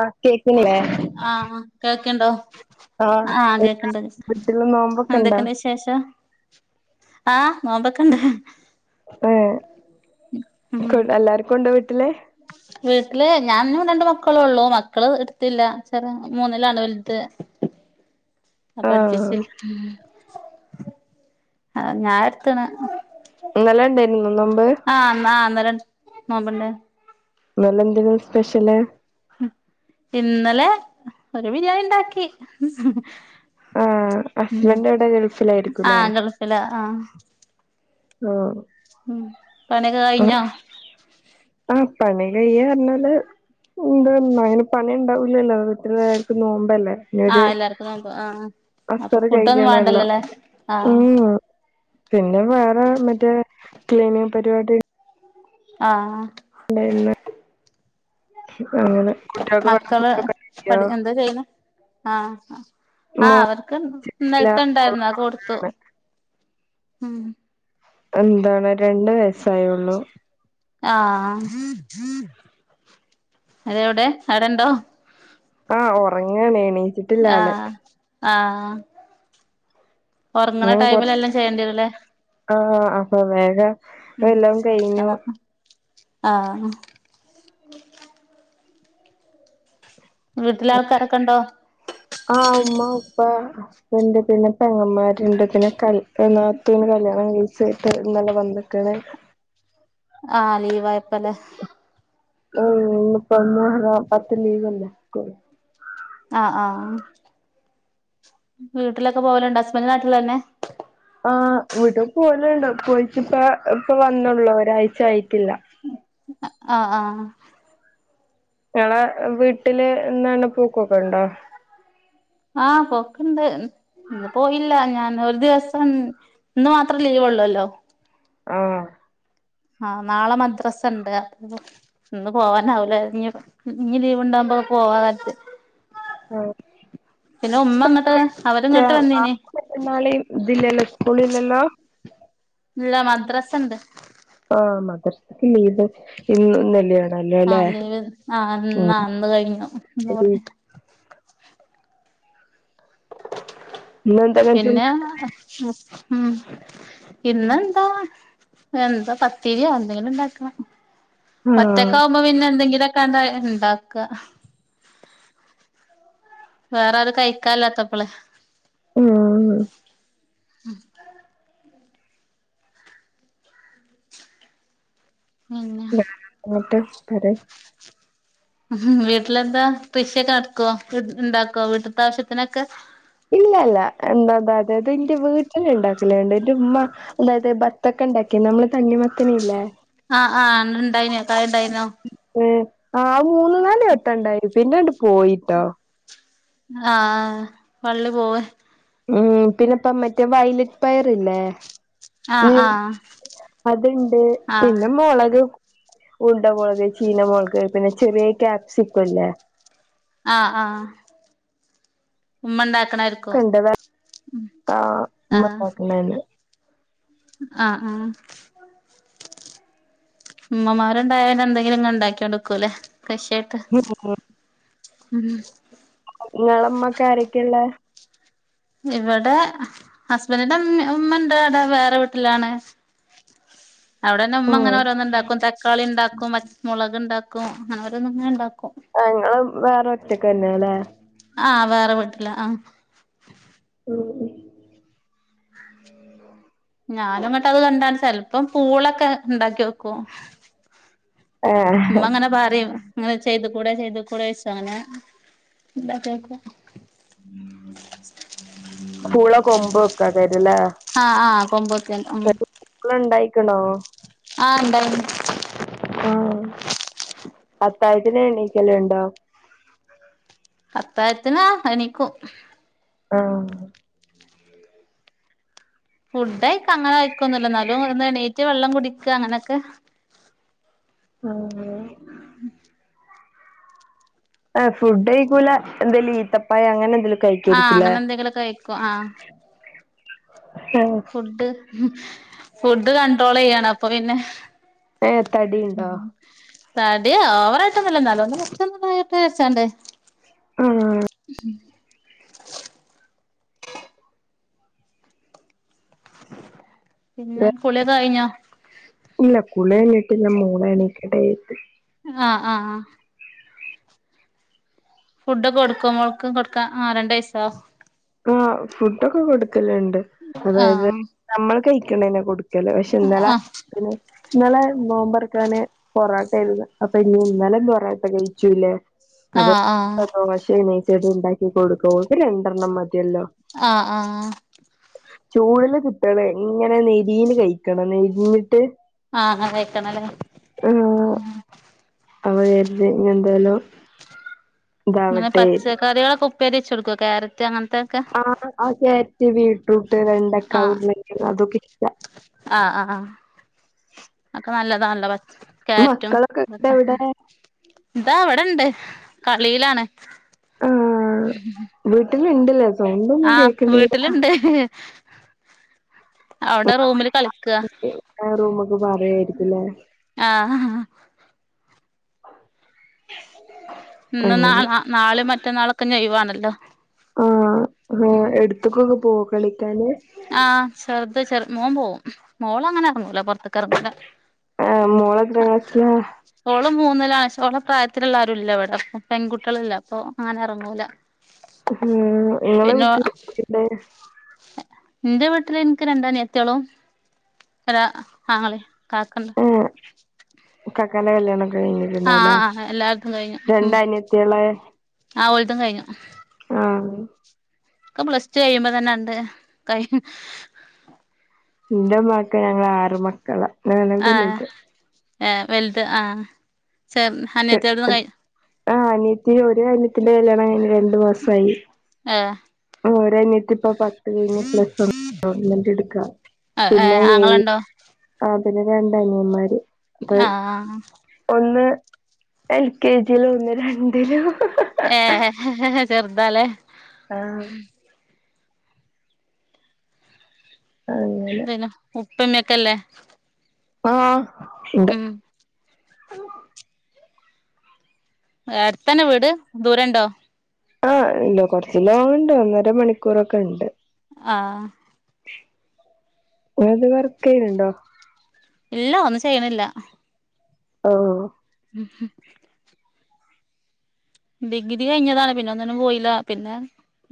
ആഹ് കേക്കില്ലേ ആഹ് കേൾക്ക്ണ്ടോ? ആഹ് കേൾക്ക്ണ്ട് വീട്ടില് നോമ്പൊക്കെ ഇണ്ടോ എന്തൊക്കെണ്ട് വിശേ. ശേഷം ആഹ് നോമ്പൊക്കണ്ട്. ഏഹ് കൊ എല്ലാർക്കും ഉണ്ടോ വീട്ടില്? വീട്ടില് ഞാനും രണ്ട് മക്കളുള്ളു മക്കള് എടുത്തില്ല എന്ന് വെച്ചാല് മൂന്നില്ലാണ് വലുത്. അപ്പൊ ആഹ് [unintelligible] ആഹ് ഞാ എടുത്ത്ണ്. ഇന്നലെ ഉണ്ടായിരുന്നോ നോമ്പ്. ആഹ് ആഹ് ഇന്നല നോമ്പ് ഇണ്ടാർന്ന് ഇന്നലെ എന്തെനു സ്പെഷ്യല്? ഇന്നലെ ഒരു ബിരിയാണി ഉണ്ടാക്കി. അഹ് ഹസ്ബൻഡ് എവിടെ ഗൾഫിലായിരിക്കും അല്ലേ ആഹ് ഗൾഫിലാ ആഹ് ഓ. ഉം. പണിയൊക്കെ ഉം കഴിഞ്ഞോ ആഹ് പണി കയ്യന്ന് പറഞ്ഞാല്. എന്തന്ന അതിന് പണി ഉണ്ടാവൂല്ലല്ലോ വീട്ടിലെല്ലാർക്കും നോമ്പല്ലേ. ആഹ് എല്ലാർക്കും നോമ്പ് ആഹ് അപ്പൊ അസർ ഫുഡൊന്നും കഴിഞ്ഞാണെല്ലാം വേണ്ടല്ലോല്ലേ ആഹ് ഉം പിന്നെ വേറെ മറ്റേ ക്ലീനിങ് പരിപാടി. ആഹ്. ണ്ടായിരുന്ന്. അങ്ങനെ. കുട്ടികൾക്ക് വേണ്ട മക്കള് ഫുഡൊക്കെ ഉണ്ടാക്കിയോ പഠി എന്താ ചെയ്യണ്? ആഹ് മോ ആഹ് അവർക്ക് ച്ചിട്ടില്ല ഇന്നലത്തെ ഓള് ഉണ്ടായിരുന്നു അത് കൊടുത്തു. ഒറങ്ങാണ് ഉം എന്താണ് രണ്ട് വയസ്സായുള്ളൂ. ആഹ് അത് എവിടെ അടെ ഉണ്ടോ? ആഹ് ഉറങ്ങാണ് എണീച്ചി. ആഹ് ആഹ്. ഒറങ്ങണ നി കൊർച്ച് ടൈമിലെല്ലാം ചെയ്യേണ്ടി വരൂല്ലേ ആഹ് അപ്പൊ വേഗ. ഉം ആഹ് ആഹ്. വീട്ടിലാൾക്കാരൊക്കെ ഉണ്ടോ? ആഹ് ഉമ്മ ഉപ്പ. ഇണ്ട് പിന്നെ പെങ്ങന്മാര് ഇണ്ട് എന്റെ പിന്നെ ക നാത്തൂന് കല്യാണം കഴിച്ചിട്ട് ഇന്നലെ വന്ന് ക്ക്ണ്‌ ആഹ് ലീവ് ആയപ്പല്ലെ [unintelligible] പത്ത് ലീവല്ലേ സ്കൂള് ആ ആ വീട്ടിലൊക്കെ പോവല്ണ്ടോ ഹസ്ബന്റ് നാട്ടില്ന്നെ ആ വീട്ടിക്ക്‌ പോകലുണ്ട് പോയിറ്റ്പ്പൊ ഇപ്പൊ വന്നള്ളൂ ഒരാഴ്ച ആയിട്ടില്ല ആഹ് ആഹ് ങ്ങളെ വീട്ടില് എന്നാണ് പൂക്കൊക്കെ ഉണ്ടോ ആ പോക്ക്ണ്ട് ഇന്ന് പോയില്ല ഞാൻ ഒരു ദിവസം ഇന്ന് മാത്രം ലീവ് ഉള്ളൂല്ലോ ആഹ് ആ നാളെ മദ്രാസണ്ട് അപ്പൊ ഇന്ന് പോവാനാവൂല ഞ്ഞി ഇഞ്ഞി ലീവ് ണ്ടാവുമ്പോ പോവാജാര്ച്ച് ആഹ് പിന്നെ ഉമ്മ ങ്ങ്ട്ട് അവരിങ്ങ്ട്ട് വന്നീന് മറ്റന്നാളിംഇതില്ലല്ലോ സ്കൂള് ഇല്ലല്ലോ ഇല്ല മദ്രസണ്ട് ആ മദ്രസക്ക് ലീവ് ഇന്ന് ഇന്നല്ല ആ ലിവ് ആന്നാ ന്ന് കഴിഞ്ഞു ഇന്നെന്താ പിന്നെ മു ഉം ഇന്നെന്താ എന്താ പത്തിരിയോ എന്തെങ്കിലുംണ്ടാക്കണം ആ ഒറ്റക്കആവുമ്പോ പിന്നെ എന്തെങ്കിലു ഒക്കെ ആണ്ട് ണ്ടാക്ക വേറെ ആരും കഴിക്കാ ല്ലാത്തപ്പള് ഉം ഉം പിന്നെ ങ്ങ്ട്ട് പറെ വീട്ടിലെന്താ കൃഷിയൊക്കെ നടക്കുവോ വീട്ട്ല് ണ്ടാക്കൊ വീട്ടത്തെ ആവിശ്യത്തിനൊക്കെ ഇല്ലല്ല എന്താ അതായത് ത് ന്റെ വീട്ടില് ണ്ടാക് ക്കലണ്ട് എന്റെ ഉമ്മ അതായത് ബത്തക്ക ണ്ടാക്കിന്നു മ്മള് തണ്ണി മത്തന് ഇല്ലേ ആ ആ ന്ന്ട് ണ്ടായിനോ കായ ണ്ടായ്നോ ഏ ആ മൂന്ന് നാല് വട്ടം ണ്ടായിനു പിന്നെണ്ട് പോയിട്ടോ ആ വള്ളി പോവെ ഉം പിന്നെപ്പൊ മറ്റേ വൈലറ്റ് പയർ ഇല്ലേ ആഹ് ഉം ആഹ് അതുണ്ട് ആഹ് പിന്നെ മൊളക് ഉണ്ട മുളക്, ചീനമുളക്, പിന്നെ ചെറിയ ക്യാപ്സിക്കല്ലേ ആ ആ ഉമ്മ ണ്ടാക്കണത് ക്കെ ണ്ട് വേ ആ ആഹ് മ്മണ്ടാക്ക്ണന്നെ ആഹ് ആഹ് ഉമ്മമാരുണ്ടായാല് എന്തെങ്കിലും ഇങ്ങനെ ഇണ്ടാക്കി കൊടുക്കൂലെ കൃഷേ ഉം ഉം ങ്ങളെ മ്മക്ക് ആരൊക്കെള്ളെ ഇവിടെ ഹസ്ബന്റിന്റെ മ്മ ഉമ്മണ്ടടെ വേറെ വീട്ടിലാണ് അവിടെന്ന ഉമ്മ ഉം അങ്ങനെ ഓരോന്ന് ഉണ്ടാക്കും തക്കാളി ഉണ്ടാക്കും പച് മുളക് ഉണ്ടാക്കും അങ്ങനെ ഓരോന്ന ങ്ങനെ ഉണ്ടാക്കും ആ ങ്ങള് വേറെ ഒറ്റക്ക് തന്നെ ലേ ആ വേറെ വീട്ടില ആ ഉം ഞാനുങ്ങ്ട്ട് അത് കണ്ടാണ്ട് ചെൽപ്പം പൂളൊക്കെണ്ടാക്കി ഓക്കും ഏ ഉമ്മ ഇങ്ങനെ പറിം ങ്ങനെ ചെയ്ത് കൂടെ ചെയ്ത് കൂടെച്ചു അങ്ങനെ ണ്ടാക്കിഓക്കും പൂള കൊമ്പ് ആഹ് ആഹ് കൊമ്പോത്തിയൽ [unintelligible] ഇണ്ടായ്ക്ക്ണോ ആ ണ്ടായ്നു ആ അത്താഴത്തിനെണീക്കല്ണ്ടോ? അത്തായത്ത്ന് ആ എണീക്കും ആഹ് ഫുഡ്ഡായ്ക് അങ്ങനയ്ക്കൊന്നുല്ല ന്നാലും ഒന്ന് എണീറ്റ് വെള്ളം കുടിക്ക അങ്ങനൊക്കെ ആഹാ [unintelligible] ആഹാ ഫുഡ്ഡയിക്കൂല എന്തേലും ഈത്തപ്പയ അങ്ങനെന്തേലും ആഹാ അങ്ങന എന്തെങ്കിലൊക്കെ കയിക്കും ആഹ് ഫുഡ്ഡ് ഫുഡ്ഡ് കണ്ട്രോളെയ്യാണ് അപ്പൊ പിന്നെ ഏഹ് തടീണ്ടോ? തടി ഓവറായിട്ടൊന്നുല്ല ഇന്നലൊന്ന് ആ [unintelligible] പിന്നെ കുളിയൊക്കെ കയിഞ്ഞോ? ഇല്ല കുളിയയ്ഞ്ഞിട്ട് ഇല്ല മോള് എണീക്കട്ടേ യെര്തി. ആഹ് ആഹ് ആഹാ ഫുഡ്ഡൊക്കെ കൊട്ക്കൊ? മോൾക്കും കൊടുക്കാ, ആഹ് രണ്ട് വയ്സ്സോ? ആഹ് ഫുഡ്ഡൊക്കെ കൊടുക്കലിണ്ട്. അതായത് ആഹ് നമ്മൾ കയെക്കിണെന്നെ കൊട്ക ക്കല് പഷെ ഇന്നലെ ആഹ് ഇനലെ നോമ്പൊർക്കാന് പൊറാട്ടയ്ര്ന്ന് അപ്പൊ ഇഞ്ഞ് ഇന്നലിം പൊറാട്ട വെയ്ചൂല്ലെ? അപ്പ ആഹ് ആഹ് ദോശ എണീച്ചിട്ട് ഇണ്ടാക്കി കൊട്ക്കു ഓക്ക് രണ്ടെണ്ണം മതിയല്ലോ. ആഹ് ആഹ് ആഹാ ചൂടില് കിട്ടണേ. ഇങ്ങനെ നെരീല് കയ്ക്കണം നെര്ഞ്ഞിട്ട്. ആഹ കയ്ക്കണല്ലേ. ആഹ് [unintelligible] എന്തേലും ഇങ്ങനെ പച്ചക്കറിയാളൊക്കെ ഉപ്പേരി വച്ചൊട്ക്കോ കാരറ്റ് അങ്ങൻത്തെ ആഹ് ആഹ് ക്യാര്റ്റ് ബീട്രൂട്ട് വെണ്ടക്ക ആഹ് ഉർളക്കേങ്ങ് അതൊക്കെ ഇഷ്ട ആഹ് ആഹ് ആഹാ ഒക്കെ നല്ലതാൺലൊ ക്യാര്റ്റും മക്കളൊക്കെ ഇവിടെ ഇതൊക്കെ എവിടെ ഇതാ ഇവ്ടെണ്ട് കളീലാണ്. വീട്ടിലിണ്ട്ലേ സൗണ്ടൊന്നും കേക്ക്ണില്ല. [unintelligible] അവിടെ റൂമില് കളിക്കുക [unintelligible] റൂമിക്ക്പറയെറ്കുംല്ലേ ആഹ് [inaudible] ഇന്ന് നാള നാളിം മറ്റന്നാളൊക്കെഞ്ഞ് ഒയി വാണല്ലോ? ആഹ് ഹ് എട്ത്തിക്കൊ ന്ന് പോവോ കളിക്കാന്. ആഹ് ചെർത് ചെറ് മോൻ പോവും മോളങ്ങനെ അർങ്ങൂല പൊർത്തിക്കർങ്ങൂല്ല. ഏഹ് മോളെത്രാം ക്ളസില? ഓള് മൂന്നിലാ പക്ഷെ ഓളെ പ്രായത്തിലിള്ളാരുല്ല ഇവടെ. അപ്പ പെങ്കുട്ട്യാളില്ല അപ്പൊ അങ്ങനെ എറങ്ങൂല. ഹും ഇങ്ങളെ വീട്ടില് രികുല്ലേ? ഇന്റെ വീട്ടില് ഇൻക്ക് രണ്ടനിയത്ത്യാളം ഒരാ ആങ്ങളിം കാക്കണ്ട്. ഏഹ് ക്കാക്കാൻ്റെ കല്യാണൊക്കെ കയ്ഞ്ഞിട്ടിണ്ടാവുല്ലേ? ആഹ് ആഹ് എല്ലാരതും കഴിഞ്ഞു ഉം രണ്ടനിയ ട്ടിയാളെ ആഹ് ഓൽതും കയ്ഞ്ഞു ആഹാ ക്കെ പ്ലസ് ടു കയ്യുമ്പ തന്നണ്ട് കൈയ് ന്റെ മ്മാക്ക് ഞങ്ങളാറ് മക്കള. ആഹ് ഏ വെൽത് ആഹ് ചെർ അനിയത്ത്യാൾതൊന്നും കൈ ആഹ് അനിയത്തി ഒരു അന്യത്തിന്റെ കല്യാണം കൈഞ്ഞ് രണ്ട് മാസായി. ആഹാ പോ ഓരനിയത്തി ഇപ്പ പത്ത് കയിഞ്ഞ് പ്ലസ് വണ്ണ് ഇട്ക്കാ ഏഹ് പിന്നെ ഏഹ് ആങ്ങളുണ്ടോ ആഹ പിന്നെ രണ്ടനിയന്മാര് ആഹ ആഹ ഒന്ന് എൽ കെ ജിലും ഒന്ന് രണ്ടിലും ഹ ഹ ഹ ഏഹ് ഹേ ചെർതാലേ. ആഹ് അങ്ങ ന്നെ ഉപ്പിം ഉമ്മിം ഒക്കെല്ലേ. ആഹ് ഇണ്ട്. ഉം അട്ത്തന്നെ വീട്? ദൂരണ്ടോ. ആഹ് ഇണ്ട് കൊർച്ച് ലോങ്ങ് ണ്ട്. ഒന്നര മണിക്കൂറൊക്കെ ണ്ട്. ആഹ് ഇങ്ങളെന്തേം വർക്കെയ്യ്ണ് ണ്ടോ? ഇല്ല ഒന്നും ചെയ്യ്ണില്ല. ഓഹ്. [unintelligible] ഡിഗ്രി കഴിഞ്ഞതാണ്. പിന്നെ ഒന്നിനും പോയില്ല. പിന്നെ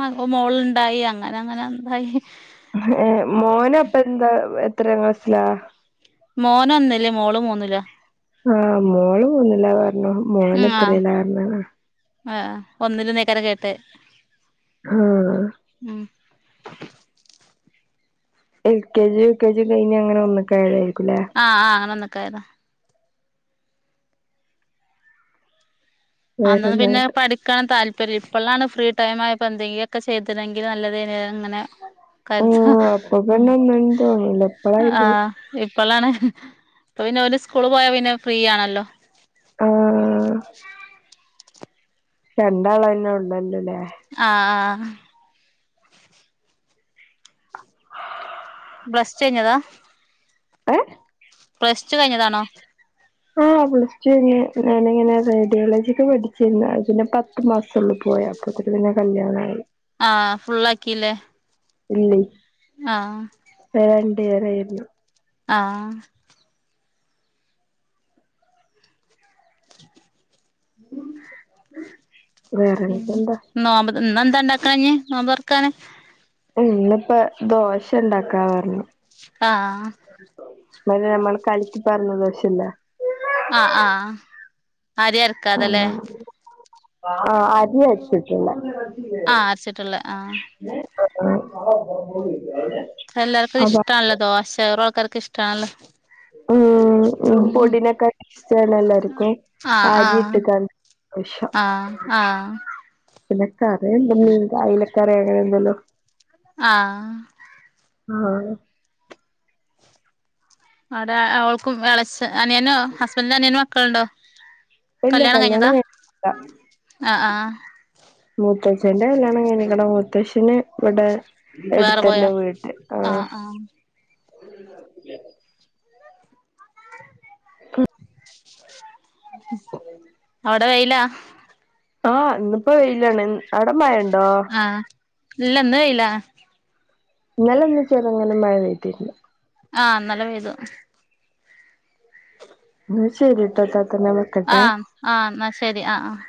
മക മോള്ണ്ടായി. അങ്ങനങ്ങന എന്തായി ഹേ മോനപ്പ എന്താ, എത്രാം ക്ലാസിലാ? മോനൊന്നില് മോളു മൂന്നില്വാ. ആഹ് മോള് മൂന്നിലാ പറ്ണു. മോന് ഉം ആഹ് എത്രീലാ പർഞ്ഞതാ. ആഹ് ഒന്നില്ന്നെയ്കാര കേട്ടെ. ഹാ. ഉം L K G U K G ഒക്കെ കഴിഞ്ഞ് അങ്ങനെ ഒന്ന് ക്കായതായിരിക്കുലേ. ആഹ് ആഹ് അങ്ങനെ ഒന്നിക്കായതാ. അന്നൊന്നും വേറെന്താ പിന്നെ എന്നിട്ട് പഠി ക്കാൻ താല്പര്യം ഇപ്പളാണ് ഫ്രീ ടൈം ആയപ്പം എന്തെങ്കിലൊക്കെ ചെയ്തിണെങ്കില് നല്ലതേനി ന്ന് ങ്ങനെ കര്താ. ആഹ് അപ്പൊ ഉം. പിന്നെ ഒന്നിനും തോന്നൂല ഇപ്പളായിരിക്കും ആഹ് ഇപ്പളാണ്. ഇപ്പപിന്നെ ഓല് സ്കൂള് പോയാ പിന്നെ ഫ്രീ ആണല്ലോ. ആഹ് രണ്ടാളന്നെ ഒള്ളൊല്ലൊലേ. ആഹ് ആഹ്. ബ്ലസ് ടു കഴിഞ്ഞതാ? ഏഹ്? പ്ലസ് ടു കഴിഞ്ഞതാണോ? ആഹ് പ്ലസ് ടു കഴിഞ് ഞാനിങ്ങനെ റേഡിയോളജിക് പഠി ച്ചീന്ന്. അത് പിന്നെ പത്ത് മാസൊള്ളു പോയെ അപ്പോത്ത്ക്കും പിന്നെ കല്യാണായി. ആഹ് ഫുള്ളാകില്ലേ? ഇല്ലേയ് ആഹ്. പെ രണ്ടി ഇയറേയ്ര്ന്നു. ആഹ് [inaudible] [inaudible] ഇം വേറെനിക്കെന്താ നോമ്പത് ഇന്നെന്താ ഇണ്ടാക്ണെ ഇഞ്ഞ് നോമ്പർക്കാന്? ഇന്നിപ്പെ ദോശണ്ടാക്കാ പർഞ്ഞു. ആഹ് മായ്രി നമ്മള് കലക്കി പാര്ന ദോശല്ലേ ആഹ് ആഹ് അരി അര് അങ്ങനെ. ആഹ് അരി അര്ച്ചിട്ടില്ല. ആഹ് അരച്ചിട്ട്ള്ളെ. ആഹ് ആഹ് എല്ലാവർക്കും അതാ ഇഷ്ടാണല്ലോ? ദോശറൊ, ആൾക്കാർക്കിഷ്ടാണല്ലോ. ആഹ് പൊടിനെക്കാട്ടി ഇഷ്ട്ടല്ലേ- എല്ലാർക്കും ആഹ് ആരി ആഹ് ഇട്ട് കാണ്ട് ദോശ. ആഹ് ആഹ്.. നിനക്ക് അതേ ഉണ്ടല്ലേ അയിലക്കറി അങ്ങനെന്തേലും. ആഹ്. ആഹ്. അവിടെ അവൾക്കും വെളച്ച്, അനിയനോ, ഹസ്ബന്റിന്റെ അനിയന് മക്കളൊണ്ടോ? ഇല്ല കല്യാണം കഴിഞ്ഞില്ല. ആഹ് ആഹ് മൂത്തച്ചന്റെ കല്യാണം- കഴിഞ്ഞേക്കണു, മുത്തശ്ശന് ഇവിടെ- വേറെ പോയോ എടുത്തന്നെ വീട്ട് ആ.. ആഹ് ആഹ് [inaudible] അവിടെ വെയിലാ? ആഹ് ഇന്നിപ്പോ വെയിലാണ്, അവിടെ മാഴയൊണ്ടോ? ആഹ് ഇല്ല ഇന്ന് വെയിലാ. ഇന്നലെ ഒന്നും ചെറുങ്ങനെ മഴ പെയ്തില്ല. ആഹ് ഇന്നലെ പെയ്തു. എന്നാ ശരിട്ടോ ഇത്താ. ആഹ് ആഹ് എന്നാ ശരി ആഹ്‌ ആഹ്.